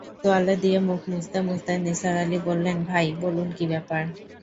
তোয়ালে দিয়ে মুখ মুছতে-মুছতে নিসার আলি বললেন, ভাই, বলুন কী ব্যাপার।